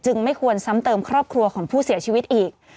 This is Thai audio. ไม่ควรซ้ำเติมครอบครัวของผู้เสียชีวิตอีก